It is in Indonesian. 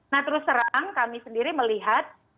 nah terus terang kami sendiri melihat